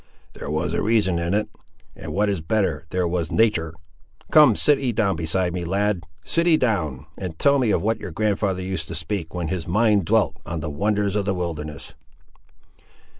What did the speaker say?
"There was reason in it; and what is better, there was natur'! Come, sit ye down beside me, lad; sit ye down, and tell me of what your grand'ther used to speak, when his mind dwelt on the wonders of the wilderness."